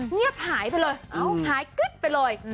เงียบหายไปเลยหายกึ๊ดไปเลย